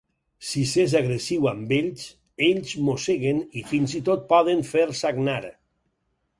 Si s'és agressiu amb ells, ells mosseguen i fins i tot poden fer sagnar.